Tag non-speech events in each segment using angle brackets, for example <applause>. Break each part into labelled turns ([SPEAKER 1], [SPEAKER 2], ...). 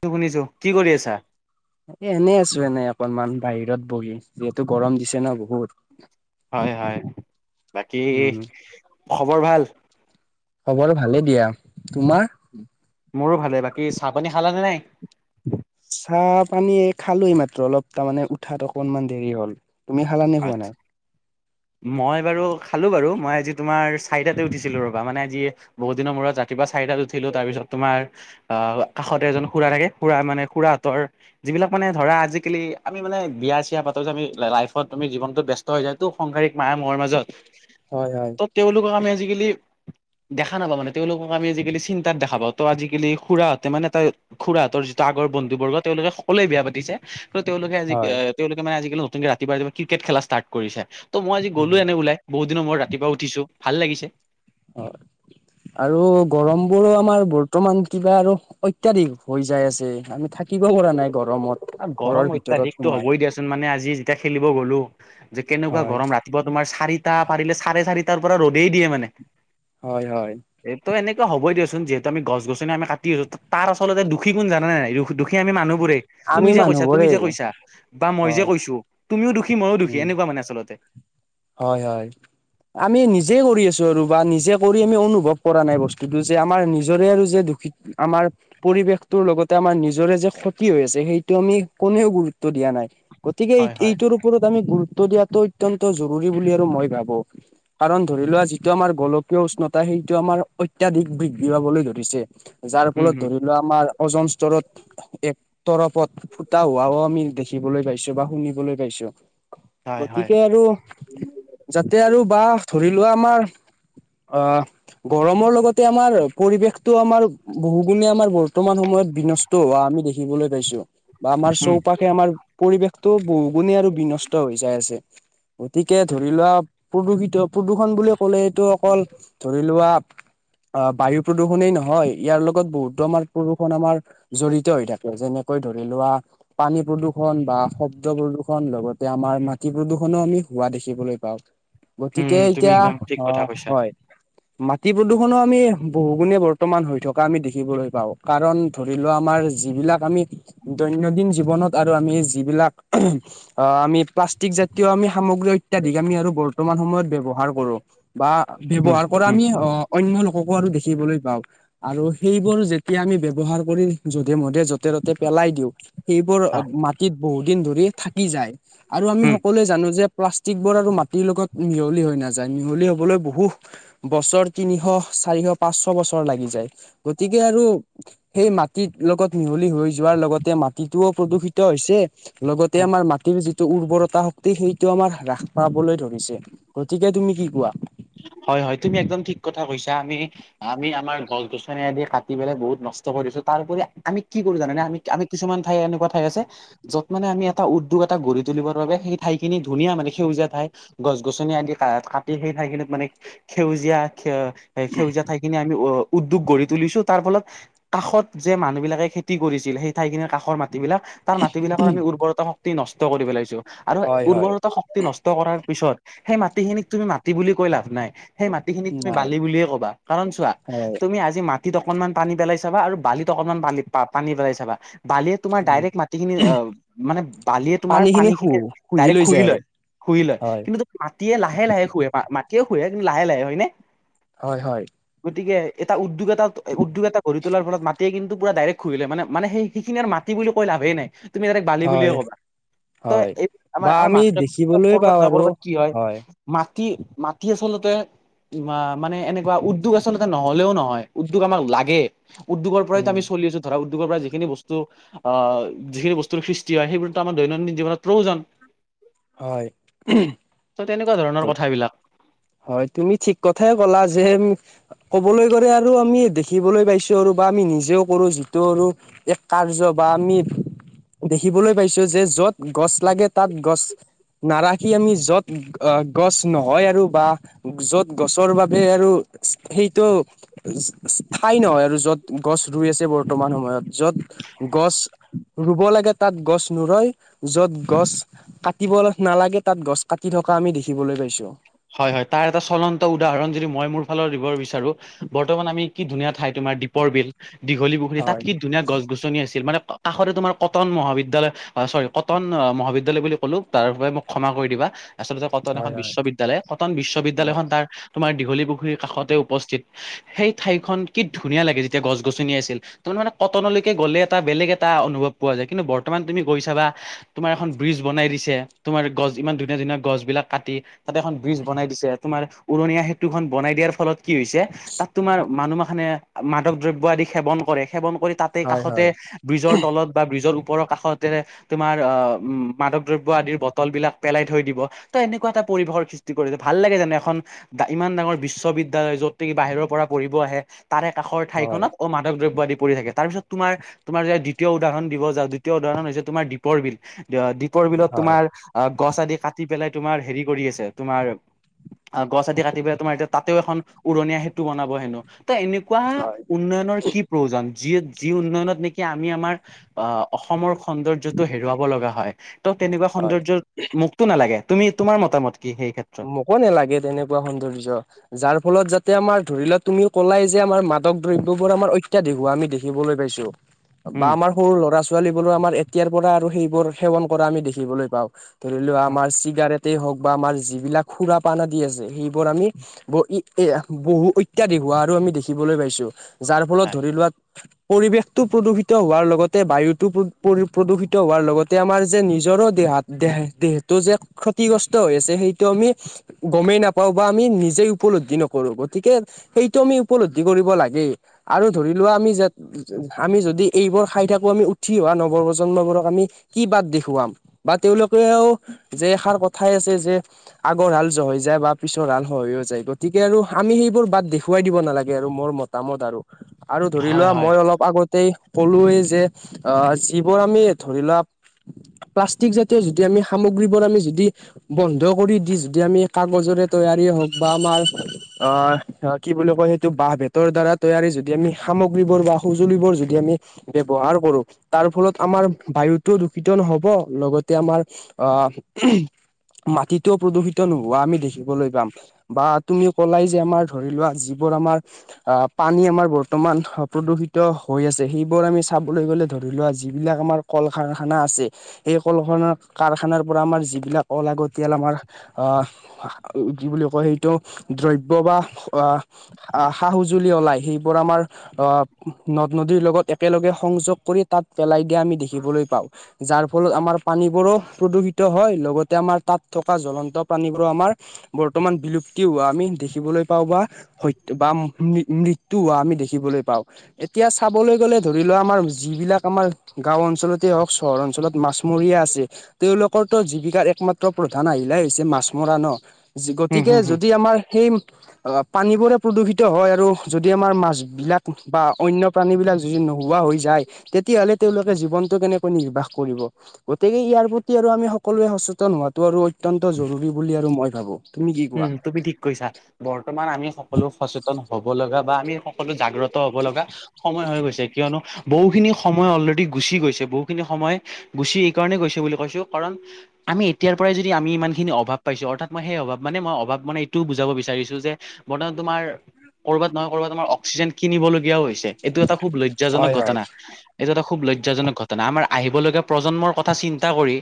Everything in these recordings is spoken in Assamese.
[SPEAKER 1] শুনিছো কি কৰি আছা
[SPEAKER 2] এ এনেই আছো এনেই অকনমান বাহিৰত বহি যিহেতু গৰম দিছে ন বহুত
[SPEAKER 1] হয় হয় বাকী
[SPEAKER 2] উম
[SPEAKER 1] খবৰ ভাল
[SPEAKER 2] খবৰ ভালে দিয়া তোমাৰ
[SPEAKER 1] মোৰো ভালে বাকী চাহপানী খালানে নাই
[SPEAKER 2] চাহ পানীয়ে খালোয় মাত্ৰ অলপ তাৰমানে উঠাত অকনমান দেৰি হ'ল তুমি খালানে খোৱা
[SPEAKER 1] আচ্ছা
[SPEAKER 2] নাই
[SPEAKER 1] মই বাৰু খালো বাৰু মই আজি তোমাৰ চাৰিটাতে উঠিছিলো ৰবা মানে আজি বহুত দিনৰ মূৰত ৰাতিপুৱা চাৰিটাত উঠিলো তাৰপিছত তোমাৰ অ কাষতে এজন খুৰা থাকে খুৰা মানে খুৰা হঁতৰ যিবিলাক মানে ধৰা আজিকালি আমি মানে বিয়া চিয়া পাতো যে আমি লাইফত তমি জীৱনত ব্যস্ত যায় টো সংসাৰিক মায় মোৰ মাজত
[SPEAKER 2] হয় হয়
[SPEAKER 1] ত তেওঁলোকক আমি আজিকালি দেখা নাপাওঁ মানে তেওঁলোকক আমি আজিকালি চিন্তাত দেখা পাও ত' আজিকালি খুৰাহঁতে মানে এটা খুৰাহতৰ যি আগৰ বন্ধু বৰ্গ তেওঁলোকে সকলোৱে বিয়া পাতিছে কিন্ত তেওঁলোকে আজি
[SPEAKER 2] হয়
[SPEAKER 1] আহ তেওঁলোকে মানে আজিকালি নতুকে ৰাতিপুৱা ক্ৰিকেট খেলা ষ্টাৰ্ট কৰিছে ত মই আজি
[SPEAKER 2] উম
[SPEAKER 1] গলো এনে ওলাই বহুত দিনৰ মই ৰাতিপুৱ উঠিছো ভাল লাগিছে
[SPEAKER 2] হয় আৰু গৰম বোৰো আমাৰ বৰ্তমান কিবা আৰু অত্যাধিক হৈ যাই আছে আমি থাকিব পৰা নাই গৰমত ঘৰৰ
[SPEAKER 1] গৰম
[SPEAKER 2] ভিতৰত
[SPEAKER 1] অত্যাধিকতটো
[SPEAKER 2] সোমাই
[SPEAKER 1] হ'বই দিয়াচোন মানে আজি যেতিয়া খেলিব গ'লো যে কেনেকুৱা
[SPEAKER 2] হয়
[SPEAKER 1] গৰম ৰাতিপুৱা তোমাৰ চাৰিটা পাৰিলে চাৰে চাৰিটাৰ পৰা ৰ'দেই দিয়ে মানে
[SPEAKER 2] হয় হয়
[SPEAKER 1] ত এনেুৱ হ'ব দিয়চোন যিহেতু আমি গছ গছনি কাটি আছো তাৰ আচলতে দুখ কোন জানা নে নাই দুখী আমি মানুহবোৰে তুমি
[SPEAKER 2] আমি
[SPEAKER 1] যে কৈছা তুমি
[SPEAKER 2] মানুহবোৰেই
[SPEAKER 1] যে কৈছা বা মই যে
[SPEAKER 2] হয়
[SPEAKER 1] কৈছো তুমিও দুখী ময়ো দুখী
[SPEAKER 2] উম
[SPEAKER 1] এনেকুৱা মানে আচলতে
[SPEAKER 2] হয় হয় আমি নিজে কৰি আছো আৰু বা নিজে কৰি আমি অনুভৱ কৰা নাই বস্তুটো যে আমাৰ নিজৰে আৰু যে আমাৰ পৰিৱেশটোৰ লগতে আমাৰ নিজৰে যে ক্ষতি হৈ আছে সেইটো আমি কোনেও গুৰুত্ব দিয়া নাই গতিকে এই
[SPEAKER 1] হয় হয়
[SPEAKER 2] এইটোৰ ওপৰত আমি গুৰুত্ব দিয়াতটো অত্যন্ত জৰুৰী আৰু মই ভাবো কাৰণ ধৰি লোৱা যিটো আমাৰ গোলকীয় উষ্ণতা সেইটো আমাৰ অতিক বৃদ্ধি পাবলৈ ধৰিছে যাৰ
[SPEAKER 1] উম
[SPEAKER 2] ফলত
[SPEAKER 1] হম
[SPEAKER 2] ধৰিলোৱা আমাৰ ওজন স্তৰত এক তৰফত ফুটা হোৱাও আমি দেখিবলৈ পাইছো বা শুনিবলৈ পাইছো।
[SPEAKER 1] হয় হয়
[SPEAKER 2] গতিকে আৰু যাতে আৰু বাহ ধৰি লোৱা আমাৰ। অ', গৰমৰ লগতে আমাৰ পৰিৱেশতটো আমাৰ বহুগুণে আমাৰ বৰ্তমান সময়ত। বিনষ্ট হোৱা আমি দেখিবলৈ পাইছো। বা আমাৰ
[SPEAKER 1] উম
[SPEAKER 2] চৌপাশে আমাৰ পৰিৱেশটো বহুগুণে আৰু বিনষ্ট হৈ যাই আছে। গতিকে ধৰি লোৱা প্ৰদূষিত প্ৰদূষণ বুলি ক'লে এইটো অকল ধৰি লোৱা।
[SPEAKER 1] <inaudible>
[SPEAKER 2] অ', বায়ু প্ৰদূষণেই নহয় ইয়াৰ লগত বহুতো আমাৰ প্ৰদূষণ আমাৰ জড়িত হৈ থাকে যেনেকৈ। ধৰি লোৱা পানী প্ৰদূষণ বা শব্দ প্ৰদূষণ লগতে আমাৰ মাটি প্ৰদূষণো আমি। হোৱা দেখিবলৈ পাওঁ। গতিকে
[SPEAKER 1] উম তুমি
[SPEAKER 2] এতিয়া
[SPEAKER 1] একদম ঠিক কথা
[SPEAKER 2] অ',
[SPEAKER 1] কৈছা
[SPEAKER 2] হয় মাটি প্ৰদূষণো আমি। বহুগুণে বৰ্তমান হৈ থকা আমি দেখিবলৈ পাওঁ, কাৰণ ধৰি লোৱা আমাৰ যিবিলাক আমি। দৈনন্দিন জীৱনত আৰু আমি যিবিলাক <inaudible> আমি প্লাষ্টিক জাতীয় আমি। সামগ্ৰী অত্যাধিক আমি আৰু বৰ্তমান সময়ত ব্যৱহাৰ কৰোঁ। বা
[SPEAKER 1] উম
[SPEAKER 2] ব্যৱহাৰ কৰা
[SPEAKER 1] উম
[SPEAKER 2] আমি অ', অন্য লোককো আৰু দেখিবলৈ পাওঁ। আৰু সেইবোৰ যেতিয়া আমি ব্যৱহাৰ কৰি যধে মধে য'তে ত'তে পেলাই দিওঁ। সেইবোৰ
[SPEAKER 1] অ
[SPEAKER 2] মাটিত বহুত দিন ধৰি থাকি যায় আৰু আমি
[SPEAKER 1] উম
[SPEAKER 2] সকলোৱে জানো যে। প্লাষ্টিক বোৰ আৰু মাটিৰ লগত মিহলি হৈ নাযায়, মিহলি হ'বলৈ বহু বছৰ তিনিশ। চাৰিশ, পাঁচশ বছৰ লাগি যায় গতিকে আৰু সেই মাটিৰ লগত মিহলি হৈ যোৱা। লগতে মাটিটোও প্ৰদূষিত হৈছে লগতে
[SPEAKER 1] উম
[SPEAKER 2] আমাৰ মাটিৰ যিটো উৰ্বৰতা শক্তি সেই। সেইটো আমাৰ হ্ৰাস পাবলৈ ধৰিছে, গতিকে তুমি কি কোৱা?
[SPEAKER 1] হয়, হয় তুমি একদম ঠিক কথা কৈছা, আমি আমি আমাৰ গছ-গছনি আদি কাটি পেলাই বহুত নস্ত। স্ত কৰিছো, তাৰ‌উপৰি আমি কি কৰো জানে আমি আমি কিছুমান ঠাই এনেকুৱা ঠাই আছে যত মানে আম এটা উৎ। উদ্যোগ এটা গঢ়ি তুলিবৰ বাবে সেই ঠাই খিনি ধুনীয়া মানে সেউজীয়া ঠাই গছ-গছনি আদি কা কাটি সেই ঠাই খিনিত। মানে সেউজীয়া সেউজীয়া ঠাইখিনি আমি অ'। উদ্যোগ গঢ়ি তুলিছো তাৰ ফলত কাষত যে মানুহ বিলাকে খেতি কৰিছিল সেই ঠাইখিনিৰ কাষৰ ম মাটি বিলাক তাৰ মাটি বিলাকৰ আমি উৰ্বৰতা শক্তি নষ্ট কৰি পেলাইছো। আৰু উৰ্বৰতা শক্তি নষ্ট কৰাৰ পিছত সেই মাটিখিনিক তুমি মাটি বুলি কৈ লাভ নাই। সেই মাটিখিনিক তুমি
[SPEAKER 2] নাই
[SPEAKER 1] বালি বুলিয়ে ক'বা কাৰণ চোৱা
[SPEAKER 2] হয়
[SPEAKER 1] তুমি আজি মাট। টিত অকনমান পানী পেলাই চাবা আৰু বালিত অকনমান বালি পা পানী পেলাই চাবা। বালিয়ে তোমাৰ ডাইৰেক্ট মাটিখিনি মানে বালিয়ে তোমাৰ
[SPEAKER 2] পানী খিনি শু
[SPEAKER 1] পানীখিনি
[SPEAKER 2] লৈ
[SPEAKER 1] ডাইৰেক্ট
[SPEAKER 2] যায়
[SPEAKER 1] শুহি
[SPEAKER 2] আৰু
[SPEAKER 1] লয়। শুহি লয়,
[SPEAKER 2] হয়
[SPEAKER 1] কিন্তু মাটিয়ে লাহে লাহে শুহে, মাটিয়ে শুহে কিন্তু লাহে লাহে হয়নে?
[SPEAKER 2] হয়, হয়।
[SPEAKER 1] গতিকে এটা উদ্যোগ এটা উদ্যোগ এটা গঢ়ি তোলাৰ ফলত মাটিয়ে কিন্তু। পুৰা ডাইৰেক্ট শুহি লয়, মানে মানে সেই সেইখিনি আৰু মাটি বুলি কৈ লাভেই নাই, তুমি ডাইৰেক্ট বালি বুলিয়ে
[SPEAKER 2] হয়
[SPEAKER 1] কবা। ত'
[SPEAKER 2] হয়
[SPEAKER 1] এইব আমাৰ
[SPEAKER 2] বা
[SPEAKER 1] আমাৰ
[SPEAKER 2] আমি
[SPEAKER 1] মানু
[SPEAKER 2] দেখিবলৈ
[SPEAKER 1] কৰবাত
[SPEAKER 2] পাওঁ
[SPEAKER 1] নহয়
[SPEAKER 2] আৰু
[SPEAKER 1] কৰবাত কি হয় মাটি। টি আচলতে মা মানে এনেকুৱা উদ্যোগ আচলতে নহলেও নহয়, উদ্যোগ আমাক লাগে। উদ্যোগৰ পৰাইতো
[SPEAKER 2] উম
[SPEAKER 1] আমি চলি আছো ধৰা। উদ্যোগৰ পৰা যিখিনি বস্তু আ যিখিনি বস্তুৰ সৃষ্টি হয়, সেইবোৰতো আমাৰ দৈনন্দিন জীৱনত প্ৰয়োজন।
[SPEAKER 2] হয়
[SPEAKER 1] ত' তেনেকুৱা ধৰণৰ কথাবিলাক।
[SPEAKER 2] হয় তুমি ঠিক কথাই ক'লা যে। কবলৈ গলে আৰু আমি দেখিবলৈ পাইছো আৰু বা আমি নিজেও কৰো যিটো আৰু এক কাৰ্য বা। বা আমি দেখিবলৈ পাইছো যে য'ত গছ লাগে তাত গছ। নাৰাখি আমি য'ত গছ নহয় আৰু। বা য'ত গছৰ বাবে আৰু চ সেইটো চ চ স্হায়ী নহয় আৰু য'ত। গছ ৰুই আছে বৰ্তমান সময়ত য'ত গছ ৰুব লাগে তাত গছ নুৰয়। যত গছ কাটিব নালাগে তাত গছ কাটি থকা আমি দেখিবলৈ পাইছো।
[SPEAKER 1] হয় হয় তাৰ এটা চলন্ত উদাহৰণ যদি মই মোৰ। ফালৰ দিব বিচাৰো বৰ্তমান আমি কি ধুনীয়া ঠাই তোমাৰ দ্বীপৰ বিল। দীঘলী পুুখুৰী তাত
[SPEAKER 2] হয়
[SPEAKER 1] কি ধুনীয়া গছ-গছনি আছিল মানে। কাষৰে তোমাৰ কটন মহাবিদ্যলয় চৰি কটন মহাবিদ্যয়ালয় বুলি ক'লো তাৰ বাবে মোক ক্ষমা কৰি দিবা আচলতে কটন এখন
[SPEAKER 2] হয় হয়
[SPEAKER 1] বিশ্ববিদ্য়ালয় কটন
[SPEAKER 2] হয়
[SPEAKER 1] বিশ্ববিদ্যালয়খন তাৰ তোমাৰ দীঘলী পুখুৰীৰ কাষতে উপস্থিত সেই ঠাই খখন কি ধুনীয়া লাগে যেতিয়া গছ গছনি আছিল ত কটনলৈকে গ'লে এটা বেলেগ এটা অনুভৱ পোৱা যায় কিন্তু বৰ্তমান তুমি গৈছাবা তুমাৰ এখন ব্ৰিজ বনাই াই দিছে তোমাৰ গছ ইমান ধুনীয়া ধুনীয়া গছ বিলাক কাটি তাতে এখন ব্ৰিজ বনাই দিছে তোমাৰ উৰণীয়া সেতুখন বনাই দিয়াৰ ফলত কি হৈছে তাত তোমাৰ মানুহ মাখে মাদক দ্ৰব্য আদি সেৱন কৰে সেৱন কৰি তাতে
[SPEAKER 2] হয়
[SPEAKER 1] কাষতে ব্ৰিজৰ তলত বা ব্ৰিজৰ ওপৰৰ কাষতে তোমাৰ অ উম মাদক দ্ৰব্য আদিৰ বটল বিলাক পেলাই থৈ দিব ত এনেকুৱা এটা পৰিৱেশৰ সৃষ্টি কৰিছে ভাল লাগে যোনো এখন ইমান ডাঙৰ বিশ্ববিদ্য়ালয় যত নক বাহিৰৰ পৰা পঢ়িব আহে তাৰে একাষৰ
[SPEAKER 2] হয় হয়
[SPEAKER 1] ঠাইখনত অ মাধৱ দ্ৰব্য আ থাকে তাৰপিছত তোমাৰ তোমাৰ যে দ্বিতীয় উদাহৰণ দিব যা দ্বিতীয় উদাহৰণ হৈছে তোমাৰ দ্বপৰ বিল পৰ বিলত
[SPEAKER 2] হয়
[SPEAKER 1] তোমাৰ গছ আদি কাটি পেলাই তোমাৰ হেৰি কৰি আছে তোমাৰ অহ গছ আদি কাটি পেল তোমাৰ এতিয়া তাতেও এখন উৰণীয়া সেইটো বনাব হেনো তো এনেকুৱা
[SPEAKER 2] হয়
[SPEAKER 1] উন্নয়নৰ কি প্ৰয়োজন যি যি উন্নয়নত নেকি আমি আমাৰ আহ অসমৰ সৌন্দৰ্যটো হেৰুৱাব লগা হয় তেনেকুৱা
[SPEAKER 2] হয়
[SPEAKER 1] সৌন্দৰ্যৰ মোকতটোো নালাগে তুমি তোমাৰ মতামতে
[SPEAKER 2] মোক ন লাগে তেনেকুৱা সৌন্দৰ্য যাৰ ফলত যাতে আমাৰ ধৰি লওক তুমি ক'লাই যে আমাৰ মাদক দ্ৰব্যবোৰ আমাৰ অত্যাধিক হোৱা আমি দেখিবলৈ পাইছো বা
[SPEAKER 1] উম
[SPEAKER 2] আমাৰ সৰু ল'ৰা ছোৱালী বোো আমাৰ এতিয়াৰ পৰা আৰু সেইবোৰ সেৱন কৰা আমি দেখিবলৈ পাও ধৰি লোৱা আমাৰ চিগাৰেটেই হওক বা আমাৰ জি বিলাক খুৰা পান আদি আছে সেইবোৰ আমি ব এ বহু অত্যাধিক হোৱা আৰু আমি দেখিবলৈ প পাইছো যাৰ ফলত ধৰি লোৱা পৰিৱেশতটো প্ৰদূষিত হোৱাৰ লগতে বায়ুতটো প্ৰদূষিত হোৱাৰ লগতে আমাৰ যে নিজৰ দোত দেহ দেহটো যে ক্ষতিগ্ৰস্ত হৈ আছে সেই আমি গমেই নাপাও বা আমি নিজে উপলব্ধি নকৰো গতিকে সেইটো আমি উপলব্ধি কৰি ল আৰু ধৰি লোৱা আমি আমি যদি এইবোৰ খাই থাকো আমি উঠি অহা নৱজ প্ৰজন্মবোৰক আমি কি বাদ দেখুৱাম বা তেওঁলোকেও যে এষাৰ কথাই আছে যে আগৰ হাল জহ হৈ যায় বা পিছৰ হাল সহ হৈও যায় গতিকে আৰু আমি সেইবোৰ বাট দেখুৱাই দিব নালাগে আৰু মোৰ মতামত আৰু আৰু ধৰি
[SPEAKER 1] হয়
[SPEAKER 2] লোৱা
[SPEAKER 1] হয়
[SPEAKER 2] মই অলপ আগতেই কলোৱেই যে আহ যিবোৰ আমি ধৰি লোৱা প্লাষ্টিক জাতীয় যদি আমি সামগ্ৰীবোৰ আমি যদি বন্ধ শুদ কৰি দি যদি আমি কাগজৰে তৈয়াৰী হওক বা আমাৰ অ কি বুলি কয় সেইটো বাহহ ভেতৰ দ্বাৰা তৈয়াৰী যদি আমি সামগ্ৰীবোৰ বা সজুলিবোৰ যদি আমি ব্যৱহাৰ কৰো তাৰ ফলত আমাৰ বায়ুতটো দূষিত হব লগতে আমাৰ অ মাটিতও প্ৰদূষিত নোহোৱা আমি দেখিবলৈ পাম বা তুমি কলাই যে আমাৰ ধৰি লোৱা যিবোৰ আমাৰ পানী আমাৰ বৰ্তমান প্ৰদূষিত হৈ আছে সেইবোৰ আমি চাবলৈ গ'লে ধৰি লোৱা যিবিলাক আমাৰ কল কাৰখানা আছে সেই কলখা কাৰখানাৰ পৰা আমাৰ যিবিলাক অলাগত এতিয়াল আমাৰ অহ কি বুলি কয় সেইটো দ্ৰব্য বা অহ আহ সা সুজুলি ওলাই সেইবোৰ আমাৰ আহ নদ নদীৰ লগত একেলগে সংযোগ কৰি তাত পেলাই দিয়া আমি দেখিবলৈ পাওঁ যাৰ ফলত আমাৰ পানীবোৰো প্ৰদূষিত হয় লগতে আমাৰ তাত থকা জ্বলন্ত প্ৰাণীবোৰ আমাৰ বৰ্তমান বিলুপ্তি হোৱা আমি দেখিবলৈ পাওঁ বা সত্ বা মৃত্যয়ু হোৱা আমি দেখিবলৈ পাও এতিয়া চাবলৈ গ'লে ধৰি লোৱা আমাৰ যিবিলাক আমাৰ গাও অঞ্চলতে হওক চহৰ অঞ্চলত মাছমৰীয়া আছে তেওঁওলোকৰ তো জীৱিকাৰ একমাত্ৰ প্ৰধান আহিলে হৈছে মাছ মৰা ন
[SPEAKER 1] হম
[SPEAKER 2] গতিকে
[SPEAKER 1] হম হম
[SPEAKER 2] যদি আমাৰ সেই পানীবোৰে প্ৰদূষিত হয় আৰু যদি আমাৰ মাছবিলাক বা অন্য প্ৰাণীবিলাক যদি নোহোৱা হয় হৈ যায় তেতিয়লে তেওঁলোকে জীৱনটো কেনেকৈ নিৰ্বাহ কৰিব গতিকে ইয়াৰ প্ৰতি আৰু আমি সকলোৱ সচেতন হোৱাটো আৰু অত্যন্ত জৰুৰী বুলি আৰু মই ভাবোঁ
[SPEAKER 1] উম তুমি ঠিক কৈছা বৰ্তমান আমি সকলো সচেতন হব লগা বা আমি সকলো জাগ্ৰত হ'ব লগা সময় হৈ গৈছে কিয়নো। বহুখিনি সময় অলৰেডি গুচি গৈছে বহুখিনি সময় গুচি এইকাৰণ গৈছে বুলি কৈছো কাৰণ- আমি এয়াৰ পৰাই যদিমি ইমান খিন অভ পাইছোঁ অৰ্থাৎ মই সেই অভাৱ- মানে মই অভাৱ মানে এইটোও বুজাব বিচাৰিছো যে বৰ্তমান তোমাৰ- ক'ৰবাত নহয় কৰবাতমাৰ অক্সিজেন কিনিবলগীয়া হৈ হৈছে। এইটো এটা খুব লজ্জাজনক
[SPEAKER 2] হয় হয়
[SPEAKER 1] ঘটনা এইটো এটা খুব লজ্জা- জ্জাজনক ঘটনা আমাৰ আহিবলগীয়া প্ৰজন্মৰ কথা চিন্তা কৰি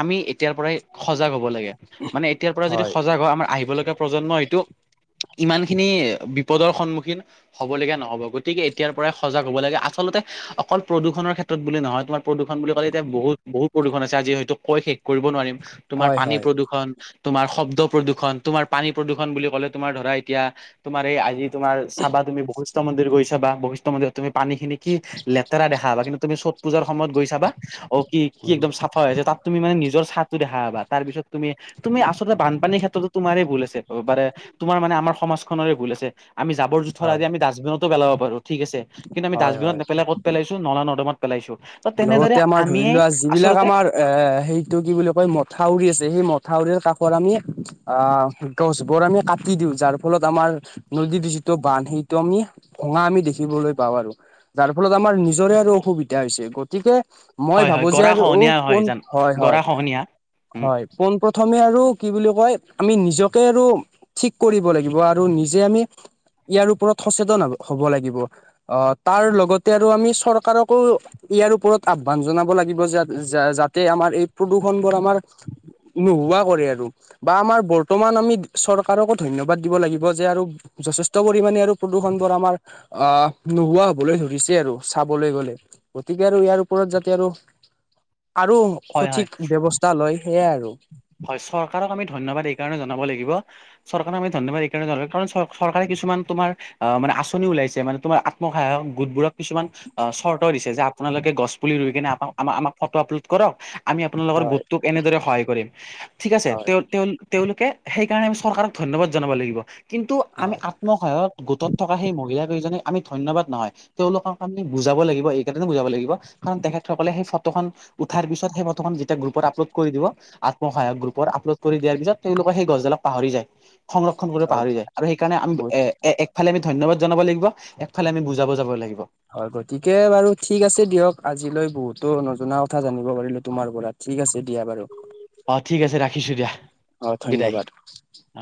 [SPEAKER 1] আমি এতিয়াৰ পৰাই সজাগ হ'ব। লাগে মানে এতিয়াৰ পৰা যদি সজাগ হয় আমাৰ আহিব লগা প্ৰজন্মই এইটো- ইমান খিনি বিপদৰ সন্মুখীন হব লগীয়া নহ'ব গতিকে এতিয়াৰ পৰাই সজাগ হ'ব লাগে আচলতে- অকল প্ৰদূষণৰ ক্ষেত্ৰত বুলি নহয় তোমাৰ- প্ৰদূষণ বুলি ক'লে এতিয়া বহুত বহুত প্ৰদূষণ আছে আজি হয়তো কৈ শেষ কৰিব নোৱাৰিম তোমাৰ
[SPEAKER 2] হয়
[SPEAKER 1] পানী
[SPEAKER 2] হয়
[SPEAKER 1] প্ৰদূষণ- তোমাৰ শব্দ- প্ৰদূষণ তোমাৰ পানী প্ৰদূষণ বুলি ক'লে তুমাৰ ধৰা এতিয়া তোমাৰ এই আজি তমাৰ চাবা তুমি বি- মন্দিৰ গৈছা বশিষ্ট মন্দিৰত তুমি পানী খিনি কি লেতেৰা দেখা কিন্তু চত পূজা। সময়ত গৈ ছাবা অ কি কি
[SPEAKER 2] উম
[SPEAKER 1] একদম চা হৈ আছে তাত তুমি মানে নিজৰ- চাঁতো দেখাা তাৰ পিছত তুমি তুমি আচলতে বান- মান এই ক্ষেত্ৰতো তোমাৰ ভুল আছে তোমাৰ মানে আমাৰ সমাজখনেৰে ভুল আছে। আমি জৰ জোথৰ
[SPEAKER 2] হয়
[SPEAKER 1] আদি আমি ডাষ্টবিনত পেলাব পাৰো ঠিক আছে কিন্তু
[SPEAKER 2] হয়
[SPEAKER 1] ডাষ্টবত
[SPEAKER 2] হয়।
[SPEAKER 1] নে পেলাই কত পেলাইছো নলা নদাত-
[SPEAKER 2] লগতে আমাৰ ধৰি লোৱা যিবিলাক
[SPEAKER 1] আচলতে
[SPEAKER 2] আমাৰ এ সেইটো কি বুলি কয় মথাউৰি আছে সেই মথাউৰিৰ কাষত- আমি অ গছ বোৰ আমি কাটি দিওঁ যাৰ ফলত আমাৰ নদীৰ যিটো বান্ধ সেই- আমি ভঙা আমি দেখিবলৈ পাওঁ আৰু যাৰ ফলত আমাৰ নিজৰে আৰু অসুবিধা হৈছে। গতিকে মই
[SPEAKER 1] হয় হয়
[SPEAKER 2] ভাবো যে
[SPEAKER 1] গৰা
[SPEAKER 2] আৰু
[SPEAKER 1] খহনীয়া হয়
[SPEAKER 2] পোন
[SPEAKER 1] জান
[SPEAKER 2] হয় হয়
[SPEAKER 1] গৰা খহনীয়া উম
[SPEAKER 2] হয় পোন প্ৰথমে আৰু- কি বুলি কয় আমি নিজকে আৰু ঠিক কৰিব লাগিব আৰু নিজে আমি- ইয়াৰ ওপৰত সচেতন হব লাগিব আহ তাৰ লগতে আৰু আমি চৰকাৰকো- ইয়াৰ ওপৰত আহ্বান জনাব লাগিব যে যাতে আমাৰ এই প্ৰদূৰ্ষন বোৰ আমাৰ- নোহোৱা কৰে আৰু বা আমাৰ বৰ্তমান আমি চৰকাৰকো ধন্যবাদ দিব লাগিব যে আৰু- যথেষ্ট পৰিমামানে আৰু প্ৰদূষণবোৰ আমাৰ আহ নোহোৱা হবলৈ ধৰিছে আৰু চাবলৈ গলে- গতিকে আৰু ইয়াৰ ওপৰত যাতে আৰু আৰু
[SPEAKER 1] হয় হয়
[SPEAKER 2] সঠিক ব্য্ৱস্থা লয় সেয়াই আৰু-
[SPEAKER 1] হয় চৰকাৰে আমি ধন্যবাদ এইকাৰণে কাৰণ চৰকাৰে কিছুমান তমাৰ মানে আঁচনি ওলাইছে মানে তোমাৰ আত্ম- সহায়ক গোটবোৰক কিছুমান চৰ্ত দিছে যে আপোনালোকে গছ পুলি ৰুই কিনে আাক আমাক ফটো আপলোড কৰক- আমি আপোনালোকৰ
[SPEAKER 2] হয়
[SPEAKER 1] গোটটোক এনেদৰে সহায় কৰিম ঠিক আছে
[SPEAKER 2] হয়
[SPEAKER 1] তেওঁ তেওঁ- তেওঁলোকে সেইকাৰণে আমি চৰকাৰক ধন্যবাদ জনাব লাগিব। কিন্তু আমি
[SPEAKER 2] হয়
[SPEAKER 1] আত্মসহায়ত গোটত থকা সেই মহিলাকেইজনে- আমি ধন্যবাদ নহয় তেওঁলোকক আমি বুজাব লাগিব এইকেইটানো বুজাব লাগিব কাৰণ তেখেতসকলে সেই- ফটোখন উঠাৰ পিছত সেই ফটোখন যেতিয়া গ্ৰুপত আপলোড কৰি দিব- সহায়ক গ্ৰুপত আপলোড কৰি দিয়াৰ পিছত তেওঁলোকে সেই গছডালাক পাহৰি যায়। সংৰক্ষণ কৰিব পাহৰি যায় আৰু সেইকাৰণে আমি
[SPEAKER 2] বহুত
[SPEAKER 1] এ একফালে আমি। ধন্যবাদ জনাব লাগিব একফালে আমি বুজাবুজাব লাগিব।
[SPEAKER 2] হয় গতিকে বাৰু ঠিক আছে দিয়ক আজিলৈ বহুতো নজনা কথা জানিব পাৰিলো তোমাৰ পৰা ঠিক আছে। দিয়া বাৰু
[SPEAKER 1] অ ঠিক আছে ৰাখিছো দিয়া
[SPEAKER 2] অ
[SPEAKER 1] বিদায়।
[SPEAKER 2] ধন্যবাদ।
[SPEAKER 1] অ।